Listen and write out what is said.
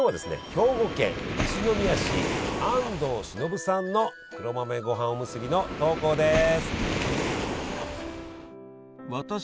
兵庫県西宮市安藤忍さんの黒豆ごはんおむすびの投稿です。